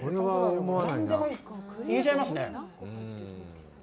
何でも行けちゃいますね。